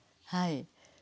はい。